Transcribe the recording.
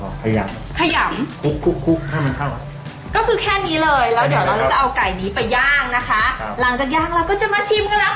กักตรงนั้นเลยครับแล้วก็เข้าไปน้ำนี้แก้ตรงนั้นเลยครับครับ